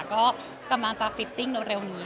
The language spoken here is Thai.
ก็กำลังจะฟิตติ้งเร็วนี้